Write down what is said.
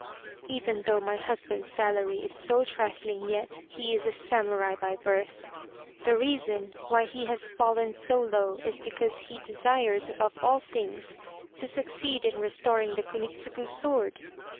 " Even though my hus band's salary is so trifling yet he is a samurai by birth. The reason why he has fallen so low is because he desires above all things to succeed in restoring the Kunitsugu sword.